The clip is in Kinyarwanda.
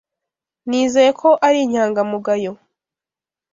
Nizeye ko ari inyangamugayo.